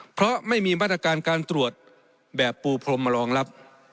เพราะไม่มีมาตรการการตรวจแบบปูพรมมารองรับ